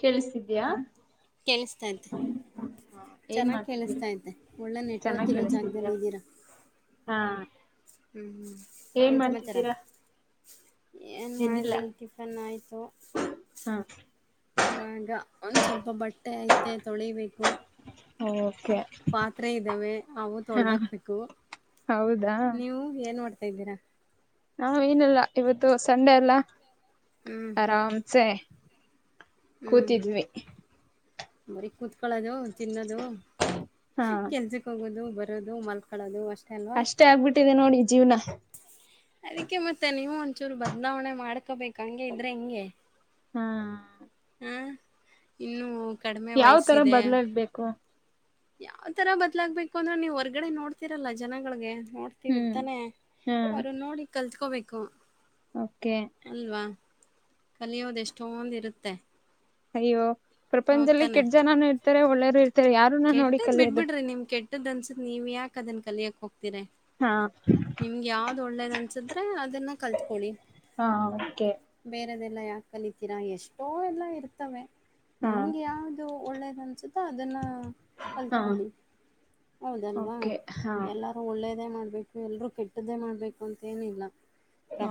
ಕೇಳಿಸ್ತಿದಯ ಕೇಳಿಸ್ತಾ ಐತೆ ಹಾ ಏನ್ ಚೆನ್ನಾಗಿ ಮಾಡ್ತಿದಿ ಕೇಳಿಸ್ತಾ ಐತೆ ಒಳ್ಳೆ ನೆಟ್ವರ್ಕ್ ಚೆನ್ನಾಗಿ್ ಇರೋ ಕೆೇಳಿಸ್ತಿದ್ಯಾ ಜಾಗದಲ್ಲಿ ಹಾ ಹ್ಮ್ ಹ್ಮ್ ಏನ್ ಎನ್ ಸಮಾಚಾರ ಮಾಡ್ತಿದ್ದೀರಾ ಏನು ಏನಿಲ್ಲ ಮಾಡಲಿ ಟಿಫನ್ ಆಯಿತು ಹಾ ಇವಾಗ ಒಂದ್ ಸ್ವಲ್ಪ ಬಟ್ಟೆ ಐತೆ ತೊಳಿಬೇಕು ಹೌ ಪಾತ್ರೆ ಇದ್ದಾವೆ ಅವು ತೊಳದಾಕ್ಬೇಕು ಹೌದಾ ನೀವು ಏನ್ ಮಾಡಡ್ತ ತ ಇದ್ದೀರಾ ನಾವ ಏನಲ್ಲ ಇವತ್ತು ಸಂಡೆ ಅಲ್ಲ ಹ್ಞೂ ಆರಾಮ್ಸೆ ಕೂತಿದ್ವಿ ಬರಿೀ ಕುೂತ್ಕೊಳ್ಳದು ತಿನ್ನದು ಹಾ ಕೆಲ್ಸಕ್ ಹೋಗೋದು ಬರಿ ಮಲ್ಕೊಳ್ಳೋದು ಅಷ್ಟ ಅಷ್ಟೇ ಆಗ್ಬಿಟ್ಟಿದೆ ನೋಡಿ ಜೀವನ ಅದಕ್ಕೆ ಮತ್ತೆ ನೀವು ಒಂಚೂರು ಬದ್ಲಾವಣೆ ಮಾಡ್ಕೋಬೇಕು ಹಂಗೆ ಇದ್ರೆ ಹೆಂಗೆ ಹಾ ಹ ಇನ್ನುೂ ಯಾವ್ ತರ ಬದ್ಲಾಗಬೇಕು ಯಾವ್ ತರ ಬದ್ಲಾಗ್ಬೇಕು ಅಂದ್ರ ನೀವ್ ಹೊರ್ಗಡೆ ನೋಡ್ತಿೀರಲ್ಲ ಜನಗಳಿಗೆ ನೋಡ್ತಿವಿ ಹ್ಮ್ ತಾನೆ ಹ್ಮ್ ಅವ್ರು ನೋಡಿ ಕಲ್ತ್ಕೋಬೇಕು ಓಕೆ ಕಲಿಯೋದೆ ಎಷ್ಟೊಂದಿರುತ್ತೆ ಅಯ್ಯೋ ಪ್ರಪಂಚದಲ್ಲಿ ಕೆಟ್ಟ ಜನ ಇರ್ತಾರೆ ಒಳ್ಳೆರು ಇರ್ತಾರೆ ಯಾರು ಕೆಟ್ಟದ್ ಬಿಡ್ ಬಿಡ್ರಿ ನಿಮ್ ಕೆಟ್ಟದ್ ಅನ್ಸುದತ್ ನೀವ ಯಕಕ್ ಅದನ್ ಕಲಿಯಕಕ್ ಹೋಗ ಹಾ ನಿಮ್ಗೆ ಯಾವ್ದ್ ಒಳ್ಳೇದ ಅನ್ಸಿದ್ರೆ ಅದನ್ನ ಕಲ್ತ್ಕೊಳ್ಳಿ ಹಾ ಓಕೆ ರದೆಲ್ಲ ಯಾಕ ಕಲಿತೀರಾ ಎಷ್ಟೋ ಎಲ್ಲ ಇರ್ತವೆ ಹಾ ನಿಮ್ಗೆ ಯಾವ್ದು ಒಳ್ಳೇದ ಅನ್ಸುತ್ತ ಅದನ್ನ ಹಾ ಕಲ್ತ್ಕೊಡಿ ಹೌದಲ್ವಾ ಓಕೆ ಹಾ ಎಲ್ಲಾರೂ ಒಳ್ಳ ಒಳ್ಳೇದೇ ಮಾಡ್ಬೇಕು ಎಲ್ರೂ ಕೆಟ್ಟದ್ದೇ ಮಾಡ್ಬೇಕು ಅಂತೇನಿಲ್ಲ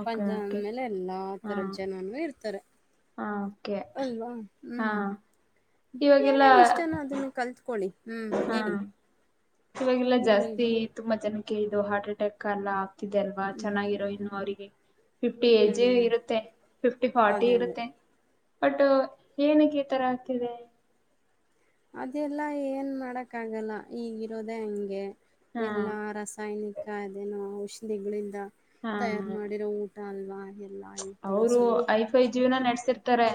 ಓಕೆ ಓಕೆ ಮೇಲೆ ಎಲ್ಲಾ ಹಾ ತರದ ಜನಾನ ಇರ್ತಾರೆ ಹಾ ಓಕೆ ಅವಾ ಹಾ ಹ್ಮ್ ಇವಾಗೆಲ್ಲಾ ಏನನ್ ಇಷ್ಟಾನ ಅದನ್ನ ಕಲ್ತ್ಕೊಳ್ಳಿ ಹ್ಮ್ ಹಾ ಹೇಳಿ ಇವಾಗೆಲ್ಲಾ ಹೇಳಿ ಹೇಳಿ ಜಾಸ್ತಿ ತುಂಬಾ ಜನಕ್ಕೆ ಇದು ಹಾರ್ಟ್ ಅಟ್ಯಾಕ್ ಎಲ್ಲ ತಿದೆ ಅಲ್ವಾ ಚೆನ್ನಾಗಿರೋ ಇನ್ನು ಅವರಿಗೆ ಫಿಫ್ಟಿ ಏಜ್ ಹ್ಮ್ ಇರುತ್ತೆ ಫಿಫ್ಟಿ ಫಾರ್ಟಿ ಅದೇ ಅದೇ ಇರುತ್ತೆ ಬಟ್ ಏನಕ್ಕೆ ಈ ತರ ಆಗ್ತಿದೆ ಅದೆಲ್ಲ ಏನ್ ಮಾಡಕ್ ಆಗಲ್ಲ ಈಗಿರೋದೆೇ ಹಂಗೆ ಹಾ ಎಲ್ಲಾ ರಾಸಾಯನಿಕ ಅೇನು ಔಷಧಿಗಳಿಂದ ಹಾ ತಯಾರು ಮಾಡಿರೋ ಊಟ ತಲ್ವಾರ ಅವರು ಐಫೈ ಜೀವ್ನ ನಡೆಸಿರ್ತಾರೆ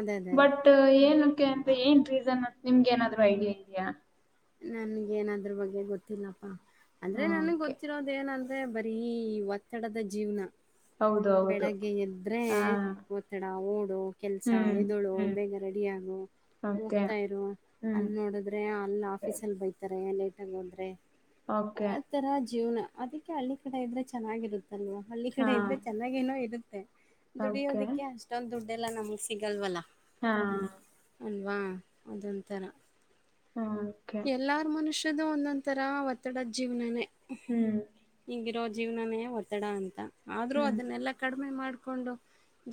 ಅದೇ ಅದೇ ಅದೇ ಬಟ್ ಏನಕ್ಕೆ ಅಂತ ಏನ್ ರೀಸನ್ ಅ ನಿಮ್ಗೆ ಏನಾದ್ರು ಐಡಿಯಾ ಇದೆಯಾ ನನ್ಗೇಏನದ್ರ ಬಗ್ಗೆ ಗೊತ್ತಿಲ್ಲಪ್ಪಾ ಅಂದ್ರೆ ಹ ನನ್ಗ್ ಓಕೆ ಗೊತ್ತಿರೋದೇವನ ಅಂದ್ರೆ ಬರೀ ಒತ್ತಡದ ಜೀವ್ನ ಹೌದು ಹೌದು ಬೆಳಗ್ಗೆ ಎದ್ರೆ ಹಾ ಒತ್ತಡ ಓಡು ಕೆಲ್ಸ ಹ್ಮ್ ಎದುಳು ಹ್ಮ್ ಬೇಗ ರೆಡಿಯಗು ಓಕೆ ಹೋಗ್ತಾ ಇರು ಹ್ಮ್ ಅಲ್ಲಿ ನೋಡದ್ರೆ ಅಲ್ಲ ಹೋದ್ರೆ ಓಕೆ ಆ ತರ ಜೀವನ ಅದಕ್ಕೆ ಹಳ್ಳಿ ಕಡೆ ಇದ್ರೆ ಚೆನ್ನಾಗಿರುತ್ತೆ ಅಲ್ವಾ ಹಳ್ಳಿ ಹಾ ಕಡೆ ಇದ್ರೆ ಚೆನ್ನಾಗಿ ಏನೋ ಇರುತ್ತೆ ಓಕೆ ದುಡಿಯೋದಿಕ್ಕೆ ಅಷ್ಟೊಂದು ದುಡ್ ಅದೆಲ್ಲಾ ನಮ್ಗ್ ಸಿಗಲ್ವಲ್ಲ ಹಾ ಅಲ್ವಾ ಅದೊಂಥರ ಓಕೆ ಎಲ್ಲಾರ ಮನುಷ್ಯದು ಒಂದೊಂದಂತರ ಒತ್ತಡದ ಜೀವನನೇ ಹ್ಮ್ ಈಗಿರೋ ಜೀವನನೇ ಒತ್ತಡ ಅಂತ ಆದ್ರೂ ಹ್ಮ್ ಅದನ್ನೆಲ್ಲ ಕಡಿಮೆ ಮಾಡಕೊಂಡು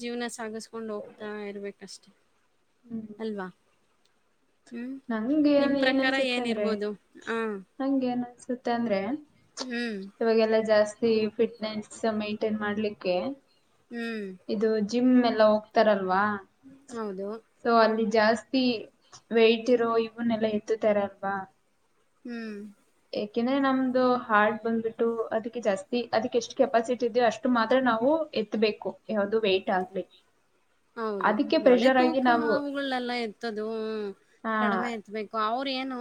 ಜೀವನ ಸಾಗಸ್ಕ ಕಕೊಂಡು ಹೋಗ್ತಾ ಇರ್ಬೇಕಷ್ಟೆ ಅಲ್ವಾ ಹ್ಮ್ ನಿಮ್ ನಂಗೆನ್ ಏನ್ ಪ್ರಕಾರ ಅನ್ಸುತ್ತೆ ಅಂದ್ರೆ ಏನಿರ್ಬೋದು ಹ ನಂಗೆ ಏನ್ ಅನ್ಸ ಅಂದ್ರೆ ಹ್ಮ್ ಇವಾಗೆಲ್ಲಾ ಜಾಸ್ತಿ ಫಿಟ್ನೆಸ್ ಮೈಂಟೈನ್ ಮಾಡ್ಲಿಕ್ಕೆ ಹೂ ಇದು ಜಿಮ್ ಎಲ್ಲ ಹೋಗ್ತಾರಲ್ವಾ ಹೌದು ಸೊ ಅಲ್ಲಿ ಜಾಸ್ತಿ ವೈಟ್ ಎರೋ ಇವನ್ನಲ್ಲಾ ಎತ್ತತಾರ ಅಲ್ವಾ ಹೂ ಾಕೆಂದ್ರೆ ನಮ್ದು ಹಾಡ್ ಬಂದ್ಬಿಟ್ಟು ಅದಕ್ಕೆ ಜಾಸ್ತಿ ಅದಕ್ಕೆ ಎಷ್ಟು ಕೆಪಾಸಿಟಿ ಇದೋ ಅಷ್ಟು ಮಾತ್ರ ನಾವು ಎತ್ಬೇಕು ಯಾವ್ದು ವೇ್ಟ್ ಆಗ್ಬೇಕು ಹೌದು ಅದೇ ತೂಕ ಅವುಗಳೆಲ್ಲ ಎತ್ತದು ಹಾ ಕಡಿಮೆ ಎತ್ಬೇಕು ಅವ್ರ ಏನು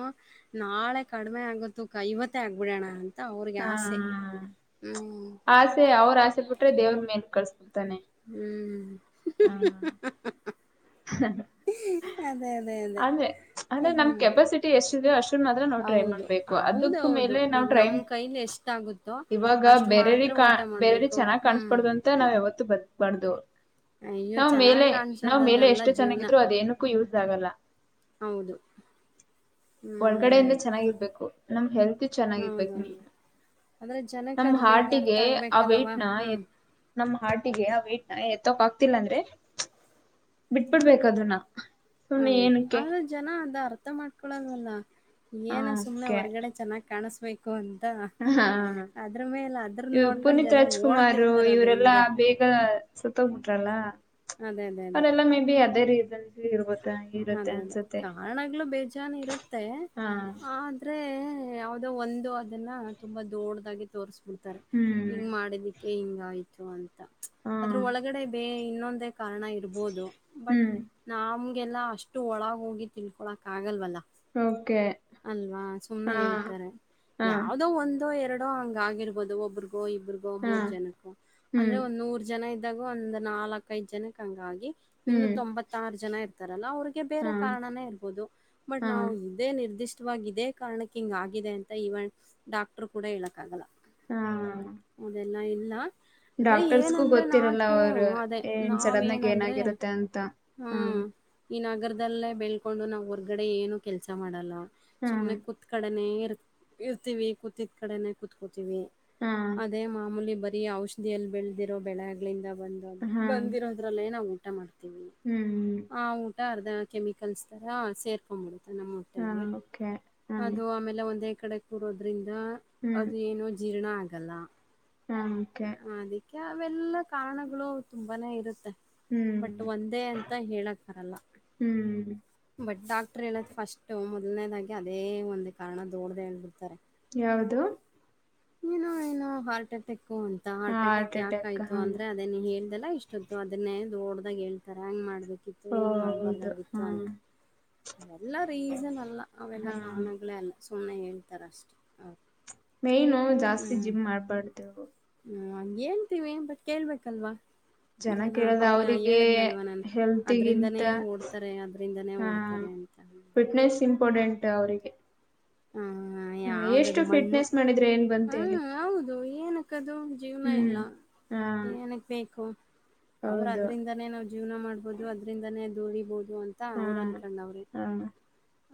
ನಾಳೆ ಕಡಿಮೆ ಆಗುತ್ತು ತೂಕವತ್ತೇ ಆಗ್ಬಿಡೋಣ ಅಂತ ಅವ್ರಿಗೆ ಆಸೆ ಹ್ಮ್ ಹಆಸೆ ಅವ್ರ ಆಸೆ ಬಿಟ್ರೆ ದೇವ್ರ ಮೇಲ್ ಕಳ್ಸ್ತಾರೆ ಹೂ ಹಾ ಅದೇ ಅದೇ ಅದೇ ಅಂದ್ರೆ ಅಂದ್ರೆ ನಮ ಹ್ಮ್ ಕೆಪಾಸಿಟಿ ಎಷ್ಟಿದೆಯೋ ಅಷ್ಟನ್ ಮಾತ್ರ ನಾವು ಟ್ರೈ ಮಾಡ್ಬೇಕು ಅದ ಹೌದ ಹೌದು ಈಗ ನಮ್ ಕೈಲಿ ಎಷ್ಟಗುತ್ತೋ ಇವಾಗ ಅಷ್ಟು ಬೇರೆಯವ್ರ ಮಾತ್ರ ಕಾ ಊಟ ಬೇರೆಯವ್ರ ಮಾಡ್ಬೇಕು ಚೆನ್ನಾಗ್ ಹೂ ಕಾಣಸ್ಬಾರ್ದು ಅಂತ ನಾವ್ ಯಾವತ್ತು ಬದಬಾರ್ದ ಅಯ್ಯೋ ಚೆನ್ನಾಗ್ ಕಾಣಸೋದ ಅದಲ್ಲ ಎಷ್ಟೇ ಚೆನ್ನಾಗಿದ್ರು ಅದ ಏನಕ್ಕೂ ಯೂಸ್ ಆಗಲ್ಲ ಹೌದು ಹ್ಮ್ ಒಳಗಡೆಯಿಂದ ಚೆನ್ನಾಗಿರ್ಬೇಕು ನಮ್ ಹೆಲ್ತ್ ಚೆನ್ನಾಗಿರ್ಬೇಕು ಮನ್ ಹೌದೌದು ಆದ್ರೆ ಜನಕ್ಕೆ ನಮ್ಮ್ ಅದು ಬೇಗ ಹಾರ್ಟ್ ಅರ್ಥ ಆ ವೈಟ್ ಆಗ್ಬೇಕಲ್ಲವಾ ನ ಎ ಹ್ಮ್ ನಮ್ ಹಾರ್ಟ್ ಿಗೆ ಆ ವೇಟ್ ನ ಎತ್ತೋಕ್ ಆಗ್ತಿಲ್ಲ ಅಂದ್ರೆ ಬಿಟ್ಬಿಡ್ಬೇಕ ಅದುನ್ನ ಹೌದು ಆದ್ರ ಜನ ಅದ ಅರ್ಥ ಮಾಡ್ಕೊಳದವಲ್ಲ ಹ ಏನ ಸುಮ್ನೆ ಹೊರ್ಗಡೆ ಚೆನ್ನಾಗ್ ಕಾಣಿಸ್ಬೇಕು ಅಂತ ಹಾ ಅದ್ರ ಮೇಲೆ ಅದ್ರನ್ ನೋಡ್ಕೊಂಡ್ ಪುನೀತ್ ಜನ ರಾಜ್ಕುಮಾರ್ ಓಡ್ತಿರ್ತಾರೆ ಅದ್ರ ಇವರೆಲ್ಲಾ ಹಿಂದೆ. ಬೇಗ ಸುತ್ತೋಗ್ಬಿಟ್ರಲ್ಲ ಅದೇ ಅದೇ ಅದೇ. ಅದೆಲ್ಲ ಮೇ ಬಿ ಅದೇ ರೀ ಇರ್ಬೋದು ಅದೇ ಅದೇ ಕಾರಣಗಳು ಬೇಜಾನು ಇರುತ್ತೆ ಹಾ ಆದ್ರೆ ಯಾವ್ದ ಒಂದು ಅದನ್ನ ತುಂಬಾ ದೊಡ್ಡದಾಗಿ ತೋರ್ಸ್ಬಿಡ್ತಾರೆ ಹ್ಮ್ ಹಿಂಗ್ ಮಾಡಿದಿಕ್ಕೆ ಹಿಂಗಾಯ್ತು ಅಂತ ಹಾ ಅದ್ರ ಒಳಗಡೆ ಬೇ ಇನ್ನೊಂದ ಕಾರಣ ಇರ್ಬಹದು ಬಟ್ ಹ್ಮ್ ನಮ್ಗೆಲ್ಲಾ ಅಷ್ಟು ಒಳಗ ಹೋಗಿ ತಿನ್ಕೊಳಕ್ ಆಗಲ್ವಲ್ಲ ಓಕೆ ಅಲ್ವಾ ಸುಮ್ನೆ ಹಾ ಹೇಳ್ತಾರೆ ಹಾ ಯಾವದೋ ಒಂದೋ ಎರಡು ಹಂಗ ಆಗಿರ್ಬಹದು ಒಬ್ರಿಗೋ ಇಬ್ಬ್ರಗೋ ಹಾ ಮೂರ್ ಜನಕ್ಕೋ ಹ್ಮ್ ಅಂದ್ರೆ ಒಂದ್ ನೂರ್ ಜನ ಇದ ಇದಾಗ ಒಂದ್ ನಾಲ್ಕಐದು್ ಜನಕ್ಕೆ ಹಂಗ ಆಗಿ ಇನ್ನು ಹ್ಮ್ ತೊಂಬತ್ತಾರು ಜನ ಇರ್ತಾರಲ್ಲ ಅವ್ರ ಹಾ ಬೇರೆ ಕಾರಣನೇ ಇರಬಹುದು ಬಟ್ ಹಾ ನಾವು ಇದೇ ನಿರ್ದಿಷ್ಟ ಇದೇ ಕಾರಣಕ್ಕೆ ಹಿಂಗ ಆಗಿದೆ ಅಂತ ಇವನ್ ಡಾಕ್ಟರ್ ಕೂಡ ಹೇಳಕ್ ಆಗಲ್ಲ ಹಾ ಅದೆಲ್ಲಾ ಇಲ್ಲ ಅಂದ್ರೆ ಡಾಕ್ಟರ್ಸ್ಗೂ ಏನಂದ್ರೆ ಗೊತ್ತಿರಲ್ಲ ನಾಕು ಅವರು ಅದೇ ಏನ್ ಸಡನ್ ಆಗ ನಾವೇನಂದ್ರೆ ಏನಾಗಿರುತ್ತೆ ಅಂತ ಹಾ ಹ್ಮ್ ಈ ನಗರದಲ್ಲೇ ಬೆಳ್ಕೊಂಡು ನಾವು ಹೊರ್ಗಡೆ ಏನು ಕೆಲಸ ಮಾಡಲ್ಲ ಹಾ ಸುಮ್ನೆ ಕೂತ್ ಕಡನೆ ಇರ್ತವಿ ಕೂತಿದ ಕಡೆ ಕತ್ಕತವಿ ಹಾ ಅದೇ ಮಾಮೂಲಿ ಬ ಔಷಧಿಯಲ್ಲಿ ಬೆಳೆದಿರೋ ಬೆಳೆಗ್ಗಳಿಂದ ಬಂದ ಬಂದಿರೋದ್ರಲ್ಲೇ ನಾವು ಊಟ ಮಾಡ್ತೀವಿ ಹೂ ಹೂ ಆ ಊಟ ಅರ್ಧ ಕೆಮಿಕಲ್ಸ್ ತರ ಸೇರ್ಕೊಂಡ್ಬಡು ಹಾ ಓಕೆ ಹ ಆಮೇಲೆ ಒಂದೇ ಕಡೆ ಕೂರೋದ್ರಿಂದ ಅದು ಏನೋ ಜೀರ್ಣ ಆಗಲ್ಲ ಹಾ ಓಕೆ ಅದಕ್ಕೆ ಅವೆಲ್ಲ ಕಾರಣಗಳು ತುಂಬಾನೇ ಇರುತ್ತೆ ಹ್ಮ್ ಬಟ್ ಒಂದೇ ಅಂತ ಹೇಳಕಗಾಲ ಹ್ಮ್ ಬಟ್ ಡಾಕ್ಟರ್ ಹೇಳದ್ ಫಸ್ಟ್ ಮೊದ್ನೇದಾಗಿ ಅದೇ ಒಂದು ಕಾರಣ ದೋಡ್ದ ಹೇಳ್ಬಿಡ್ತಾರೆ ಯಾವುದು ಏನು ಏನೋ ಹಾರ್ಟ್ ಅಟ್ಯಾಕ್ ು ಅಂತ ಹಾರ್ಟ್ ಅಟ್ಯಾಕ್ ಯಾಕಾಯ್ತು ಅಂದ್ರೆ ಅದೇ ನೀ ಹೇಳ್ದಲ್ಲ ಇಷ್ಟೊತ್ತು ಅದನ್ನೇ ಓಡ್ದಾಗ ಹೇಳ್ತಾರ ಹಂಗ್ ಮಾಡ್ಬೇಕಿತ್ತು ಹಿಂಗ್ ಹೌದು ಹಾ ಮಾಡ್ಬಾರ್ದಾಗಿತ್ತು ಅಂತ ಎಲ್ಲ ರೀಸನ್ ಅಲ್ಲ ಅವೆಲ್ಲ ಹಾ ಕಾಣಗಳೇ ಅಲ್ಲ ಸುಮನೆ ಹೇಳ್ತಾರೆ ಅಷ್ಟೇ ಓಕೆ ಮೈನು ಜಾಸ್ತಿ ಜಿಮ್ ಮಾಡ್ಬಾರ್ದೇವು ಹ ಹೇಳ್ತೀವಿ ಬಟ್ ಕೇಳ್ಬೇಕಲ್ವಾ ಜನ ಕೇಳದ ಅವ್ರ ಅವ್ರಿಗೆ ಹೇಳದ್ನಲ್ವ ನನ್ ಹೆಲ್ತಿಗಿಂತ ಅದ್ರಿಂದಾನೇ ಓಡ್ತಾರೆ ಅದ್ರಿಂದಾನೇ ಹಾ ಓಡ್ತಾರೆ ಅಂತ ಫಿಟ್ನೆಸ್ ಇಂಪಾರ್ಟೆಂಟ್ ಅವರಿಗೆ ಆ ಹ ಎಷ್ಟು ಯಾವ್ದದು ಮಣ್ಣು ಫಿಟ್ನೆಸ್ ಮಾಡಿದ್ರೆ ಏನ್ ಬಂತ ಹಾ ಹೇಳಿ ಹೌದು ಏನಕ್ಕದು ಜೀವನ ಹ್ಮ್ ಇಲ್ಲ ಹಾ ನನಗ್ ಬೇಕು ಅವರು ಹೌದು ಅದ್ರಿಂದಾನೇ ನಾವವು ಜೀವನ ಮಾಡ್ಬೋದು ಅದ್ರಿಂದಾನೇ ನದುಡಿಬಹುದು ಅಂತ ಹಾ ಅವ್ರ ಅನ್ಕೊಂಡವ್ರಿ ಹಾ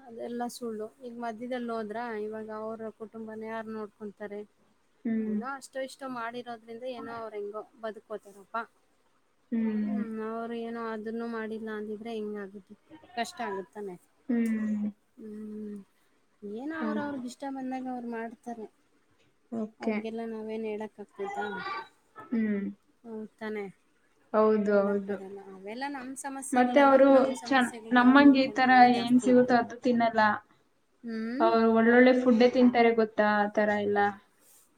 ಅದೆಲ್ಲಾ ಸುಳ್ಳು ಈಗ ಮ ಇದಲ್ಲಿ ಹೋದ್ರಾ ಇವಾಗ ಅವರ ಕುಟುಂಬನ ಯಾರು ನೋಡ್ಕೊಂತಾರೆ ಹ್ಮ್ ಇಲ್ಲೋ ಅಷ್ಟು ಇಷ್ಟ ಇ ಮಾಡಿರೋದ್ರಿಂದ ಏನೋ ಅವ್ ಹೆಂಗೋ ಬದುಕೋತಾರಪ್ಪಾ ಹ್ಮ್ ಅವರು ಏನೋ ಅದನ್ನು ಮಾಡಿಲ್ಲ ಅಂದಿದ್ರೆ ಹಿಂಗಗುತ್ತೆ ಕಷ್ಟ ಆಗುತ್ತಾನೆ ಹ್ಮ್ ಹ್ಮ್ ಏನೋ ಅವ್ರ ಅವ್ರಗ್ ಇಷ್ಟ ಬಂದಾಗ ಅವ್ರು ಮಾಡ್ತಾರೆ ಓಕೆ ಅವ್ರಿಗೆಲ್ಲ ನಾವೇನು ಹೇಳಕ ಆಗ್ತದಾ ಹ್ಮ್ ಹ ತಾನೆ ಹೌದು ಹೇಳಕ್ ಹೌದು ಬರಲ್ಲ ಅವೆಲ್ಲಾ ನಮ್ ಮತ್ತೆ ಸಮಸ್ಯೆಗಳೆಲ್ಲ ಅವರು ನಮ್ ಚ ಸಮಸ್ಯೆಗಳು ನಾವವು ನಮ್ಮಂಗ ಈ ತರ ನೋಡ್ಕೊಂಡ್ರೆ ಏನ್ ಸಿಗುತ್ತ ಅದದು ತಿನ್ನಲ್ಲ ಹ್ಮ್ ಅವರು ಒಳ್ಳೊಳ್ಳೆ ಫುಡ್ ತಿನ್ಂತಾರೆ ಗೊತ್ತಾ ಆ ತರ ಎಲ್ಲ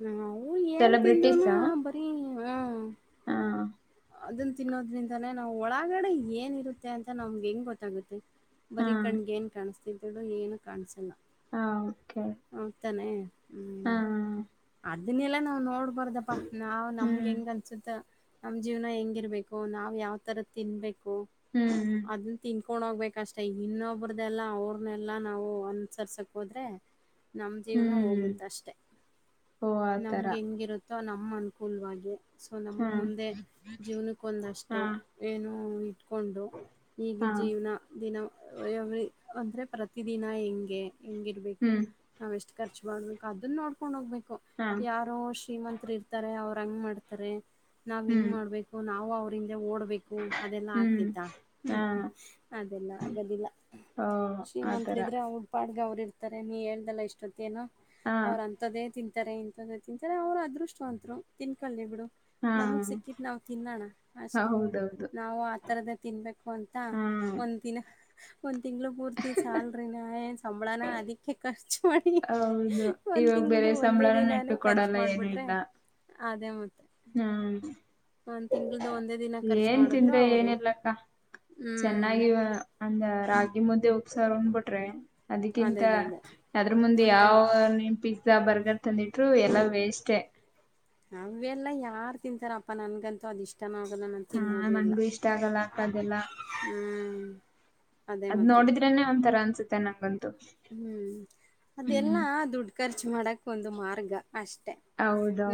ನವು ಏನ್ ಸೆಲೆಬ್ರಿಟೀಸ್ ತಿಂದನು ಹಾ ಬರಿ ಹ ಅದನ್ನ ತಿನ್ನೋದ್ರಿಂದಾನೇ ನಾವು ಒಳಗಡೆ ಏನಿರುತ್ತೆ ಅಂತ ನಮ್ಗೆ ಹೆಂಗ್ ಗೊತ್ತಾಗುತ್ತೆ ಹಾ ಬರೀ ಕಣ್ಗೇನ್ ಕಾಣಿಸ್ತಿದಡು ನೀನು ಕಾಣಸಿಲ್ಲ ಹಾ ಓಕೆ ಹ್ಮ್ ಹಾ ಅದನ್ನೆಲ್ಲ ನಾವವು ನೋಡ್ಬಾರ್ದಪ್ಪಾ ನಾವವು ನಮ್ಗೆ ಹ್ಮ್ ಹೆಂಗ್ ಅನ್ಸುತ್ತ ನಮ್ ಜೀವ್ನ ಹೆಂಗಿರ್ಬೇಕು ನಾವ್ ಯಾವ್ ತರ ತಿನ್ಬೇಕು ಹ್ಮ್ ಹ್ಮ್ ಕೊಂಡೋಗ್ಬೇಕಷ್ಟೆ ಇನ್ನೊಬ್ಬ್ರ್ದೆಲ್ಲ ಅವ್ರನ್ನೆಲ್ಲ ನಾವು ಅನುಸರ್ಸಕ್ಕೆ ಹೋದ್ರೆ ನಮ್ಮ ಹ್ಮ್ ಜೀವನ ಹ್ಮ್ ಹೋಗುತ್ತ ಅಷ್ಟೆ ಓ ಆತರ ನಮ್ಗೆ ಹೆಂಗಿರುತ್ತೆ ಅಥ ನಮ್ಮ್ ಅನುಕೂಲವಾಗಿ ಸೊ ನಮಗ್ ಹ್ಮ್ ಮುಂದೆ ಹಾ ಜೀವನಕ್ಕೊಂದಷ್ಟು ಏನು ಇಟ್ಕೊಂಡು ಈಗ ಹಾ ಜೀವನ ದಿನ ಅಂದ್ರೆ ಪ್ರತಿ ದಿನ ಹೆಂಗೆ ಹೆಂಗಿರ್ಬೇಕು ಹ್ಮ್ ನಾವ್ ಎಷ್ಟು ಖರ್ಚು ಮಾಡ್ಬೇಕು ಅದನ್ನ ನೋಡ್ಕೊಂಡ್ ಹೋಗ್ಬೇಕು ಹಾ ಯಾರೋ ಶ್ರೀಮಂತರು ಇರ್ತಾರೆ ಅವ್ರ ಹಂಗ ಮಾಡ್ತಾರೆ ನಾವ್ ಹಿಂಗ್ ಹ್ಮ್ ಮಾಡ್ಬೇಕು ನಾವವು ಅವ ಓಡ್ಬೇಕು ಅದೆಲ್ಲಾ ಹ್ಮ್ ಆಗ್ತಿತ್ತಾ ಹಾ ಅದೆಲ್ಲ ಆಗದಿಲ್ಲ ಓ ಆತರ ಶ್ರೀಮಂತ್ಲಿದ್ರೆ ಉಟ್ಪಾಡ್ಗ ಅವ್ರು ಇರ್ತಾರೆ ನೀ ಹೇಳ್ದಲ್ಲಾ ಇಷ್ಟೊತ್ತ ನೋ ಹಾ ಅವ್ರ ಅಂತದ್ದೇ ತಿಂತ ತಿಂತಾರೆ ಇಂತದ ತಿಂತಾರೆ ಅವ್ರು ಅದೃಷ್ಟವಂತರು ತಿನ್ಕೊಳ್ಳಿ ಬಿಡು ಹಾ ನಮಗ್ ಸಿಕ್ಕತ್ ನಾವವು ತಿನ್ನೋಣ ಅಷ್ಟೆ ಹೌದೌದು ನಾವು ಆತರದ ತಿನ್ಬೇಕು ಅಂತ ಹ್ಮ್ ಒಂದ ದಿನ ಒಂದ್ ತಿಂಗ್ಗಳು ಪೂರ್ತಿ ಸಲ್ರಿ ನ ಸಂಬಳಾನ ಅದಕ್ಕೆ ಖರ್ಚು ಹೌದು ಒಂದ್ ಇವಾಗ ತಿಂಗಳ್ದ ಬೇರೆ ಒಂದೇ ಸಂಬಳನ ನೆಟ್ಟು ದಿನಾನೇ ಖರ್ಚು ಕೊಡಲ್ಲ ಏನು ಮಾಡ್ಬಿಟ್ರೆ ಇಲ್ಲ ಅದೇ ಮತ್ತ ಹ್ಮ್ ಒಂದೇ ದಿನ ಖರ್ಚು ಏನ್ ಮಾಡಿದ್ರು ತಿಂದ್ರೆ ಅವರು ಏನರ್ಲಕ್ಕ ಹ್ಞೂ ಚೆನ್ನಾಗಿ ಅಂದ ರಾಗಿ ಮುದ್ದೆೋಗ ಸರ್ ಉಣ್ಬಿಟ್ರೆ ಅದಕ್ಕಿಂತ ಅದೇ ಅದೇ ಅದೇ ಅದ್ರ ಮುಂದೆ ಮತ್ತೆ ಯಾವ ನೆನಪಿ ಬರ್ಗರ್ ತಂದಿಟ್ರು ಎಲ್ಲ ವೇಸ್ಟೇ ಅವೆಲ್ಲ ಯಾರು ತಿಂತಾರಪ್ಪಾ ನನ್ಗಂತೂ ಅದ ಇಷ್ಟ ಚನ್ನಾಗಲ್ಲ ನಾನು ಹಾ ತಿನ್ನೋದು ಇಲ್ಲ ನಂಗು ಇಷ್ಟ ಆಗಲ್ಲ ಅಕ್ಕ ಅದೆಲ್ಲ ಹ ಅದ್ ನೋಡಿದ್ರೇನೆ ಒಂಥರ ಅನ್ಸುತ್ತೆ ನಂಗೊಂದ ಹ್ಮ್ ಅದೆಲ್ಲಾ ದುಡ್ಡು ಖರ್ಚು ಮಾಡಕ್ ಒಂದು ಮಾರ್ಗ ಅಷ್ಟೆ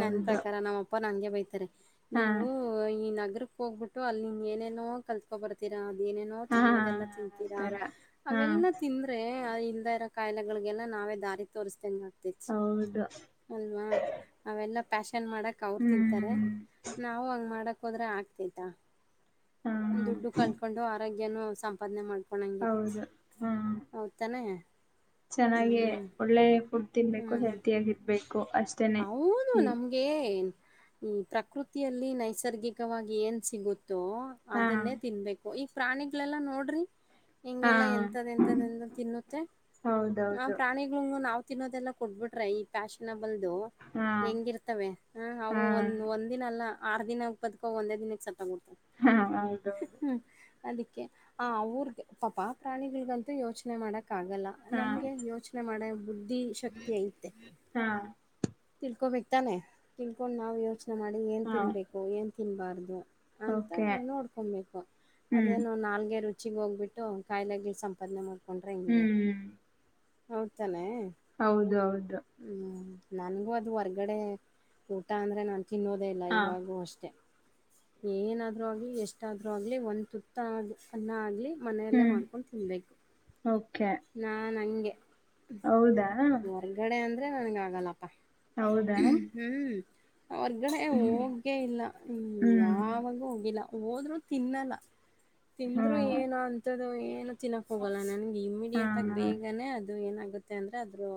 ನನ್ನ ಪ್ರಕಾರ ನಮ್ಮ ಅಪ್ಪ ನನಗೆ ಬೈತಾರೆ ಹಾ ನೀವು ಈ ನಗರ ಹೋಗ್ಬಿಟ್ಟು ಅಲ್ಲಿ ಇನ್ ಏನೇನೋ ಕಲ್ತ್ಕೊ ಬರ್ತೀರಾ ಅಂ ಏನೇನೋ ಹಾ ತಿನ್ನೋದೆಲ್ಲಾ ತಿಂತೀರಾ ಆತರ ಹಾ ಅವೆಲ್ಲಾ ತಿಂದ್ರೆ ಕಾಯಿಲೆಗಳಿಗೆಲ್ಲ ನಾವೇ ದಾರಿ ತೋರಿಸ್ತಂಗಾತಿ ಹೌದು ಅಲ್ವಾ ಅವೆಲ್ಲ ನ್ ಮಾಡಕ್ಕೆ ಅವ್ರು ತಿಂತಾರೆ ಹ್ಮ್ ನಾವು ಹಂಗೆ ಮಾಡಕ್ ಹೋದ್ರೆ ಆಗ್ತೈತಾ ಹಾ ದುಡ್ಡು ಕಳ್ಕೊಂಡು ಆರೋಗ್ಯನು ಸಂಪಾದನೆ ಮಾಡ್ ಮಾಡಂಗಿಲ್ವಂತೆ ಹೌದು ಹಾ ಹೌದು ತಾನೆ ಚೆನ್ನಾಗಿ ಒಳ್ಳೆ ಫುಡ್ ತಿನ್ಬೇಕು ಹ್ಮ್. ಹೆಲ್ತಿಯಗಿರ್ಬೇಕು ಹೌದು ನಮಗೆ ಈ ಪ್ರಕೃತಿಯಲ್ಲಿ ನೈಸರ್ಗಿಕವಾಗಿ ಏನ್ ಸಿಗುತ್ತೆ ದೋ ಹಾ ಅದನ್ನೇ ತಿನ್ಬೇಕು ಈ ಪ್ರಾಣಿಗಳೆಲ್ಲಾ ನೋಡ್ರಿ ಹಾ ಹಿಂಗೆಲ್ಲಾ ಎಂತದ್ ಎಂತದ ತಿನ್ನುತ್ತೆ ಆ ಹೌದೌದು ಪ್ರಾಣಿಗಳು ನಾವ ತಿನ್ನೋದೆಲ್ಲಾ ಕೊಟ್ಬಿಟ್ರೆ ಈ ಫ್ಯಾಷನಬಲ್ ಇದು ಹಾ ಹೆಂಗಿರ್ತವೆ ಹ ಅವು ಹಾ ಒಂದ ಒಂದಿನ ಅಲ್ಲ ಆರು ದಿನ ಬದಕೊ ಒಂದೇ ದಿನಕ್ ಸತ ಹಾ ಹೌದುದು ಅದಕ್ಕೆ ಆ ಅವ್ರಿಗೆ ಪಾಪಾ ಪ್ರಾಣಿಗಳ್ಗಂತೂ ಯೋಚನೆ ಮಾಡಕ್ ಕ್ಕಗಲ್ಲ ಹಾ ನಮ್ಗೆ ಯೋಚನೆ ಮಾಡ ಬುದ್ಧಿ ಶಕ್ತಿ ಐತೆ ಹಾ ತಿನ್ಕೋಬೇಕಕ್ ತಾನೆ ತಿನ್ಕೊಂಡು ನಾವ್ ಯೋಚನೆ ಮಾಡಿ ಏನ್ ಹಾ ತಿನ್ಬೇಕು ಏನ್ ತಿನ್ಬಾರ್ದು ಅಂತ ಓಕೆ ನೋಡ್ಕೊಬೇಕು ಹ್ಮ್ ಅದೇನು ನಾಲ್ಗೆ ರುಚಿ ಹೆಚ್ಚಿಗೆ ಹೋಗ್ಬಿಟ್ಟು ಕಾಯಿಲೆ ಗ ಸಂಪಾದನೆ ಮಾಡ್ಕೊಂಡ್ರೆ ಹಿಂಗೆ ಹೌದು ತಾನೆ ಹೌದ ಹೌದು ನನ್ಗೂ ಅದು ಹೊರ್ಗಡೆ ಊಟ ಅಂದ್ರೆ ನಾನು ತಿನ್ನೋದೇ ಇಲ್ಲ ಹಾ ಇವಾಗೂ ಅಷ್ಟೆ ಏನಾದ್ರೂ ಆಗ್ಲಿ ಎಷ್ಟಾದ್ರೂ ಆಗ್ಲಿ ಒಂದ್ ತುತ್ತ ಅನ್ನ ಆಗ್ಲಿ ಮನೆಯಲ್ಲೇ ಹ್ಮ್ ಮಾಡ್ಕೊಂಡು ತಿನ್ಬೇಕು ಓಕೆ ನಾನ ಹಾಂಗೆ ಹೌದಾ ಹೊರ್ಗಡೆ ಅಂದ್ರೆ ನನ್ಗ ಆಗಲ್ಲಪ್ಪ ಹೌದಾ ಹ್ಮ್ ಹೊರ್ಗಡೆೆ ಹ್ಮ್ ಹೋಗೇ ಇಲ್ಲ ಹ್ಮ ಹ್ಮ್ ಯಾವಾಗೂ ಹೋಗಿಲ್ಲ ಹೋದ್ರರು ತಿನ್ನಲ್ಲ ಹಾ ತಿಂದ್ರು ಏನು ಅಂತದ್ದು ಏನ ತಿನ್ನಕ್ ಹೋಗಲ್ಲ ನನ್ಗೆ ಹಾ ಇಮಿಡಿಯೇಟ್ ಆಗ ಬೇಗನೆ ಅದು ಏನ ಅಂದ್ರೆ ಅದ್ರ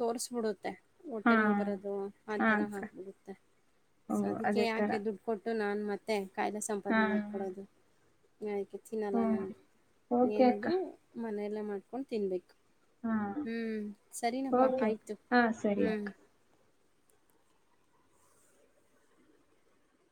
ತೋರಿಸಬಿಡತ್ತೆ ಹೊಟ್ಟೆ ಹಾ ನೋವು ಬರೋದು ಆ ಹಾ ಥರ ಅಕ್ಕ ಹಾಕ್ಬಿಡುತ್ತೆ ಓ ಸುಮ್ಮಕ್ಕೆ ಅದಕ್ಕೆ ಅದೇ ತರ ಯಾಕೆ ದುಡ್ಡು ಕೊಟ್ಟು ನಾನು ಮತ್ತೆ ಕಾಯಿಲೆ ಹಾ ಸಂಪಾದನೆ ಮಾಡ್ಕೊಡೋದು ಅದಕ್ಕೆ ತಿನ್ನಲ್ಲ ಹ್ಮ ನನಗೆ ಓಕೆ ಅಕ್ಕ ಏನಿದರೂ ಮನೆಯಲ್ಲ ಮಾಡ್ಕೊಂಡು ತಿನ್ಬೇಕು ಹಾ ಹ್ಮ್ ಸರಿನಪ್ಪಾ ಓಕೆ ಅಕ್ಕ ಆಯ್ತು ಹಾ ಸರಿ ಹ್ಮ್ ಅಕ್ಕ